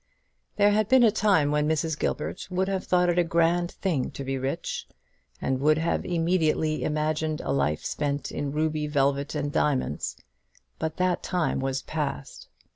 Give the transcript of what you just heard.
There had been a time when Mrs. Gilbert would have thought it a grand thing to be rich, and would have immediately imagined a life spent in ruby velvet and diamonds; but that time was past.